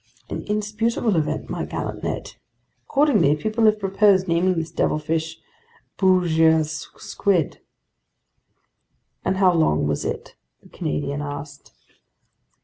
"An indisputable event, my gallant Ned. Accordingly, people have proposed naming this devilfish Bouguer's Squid." "And how long was it?" the Canadian asked.